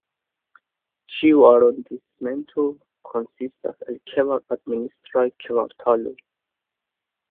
Ĉiu arondismento konsistas el kvar administraj kvartaloj.